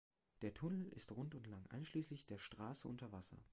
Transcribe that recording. Der Tunnel ist rund lang, einschließlich der Straße unter Wasser.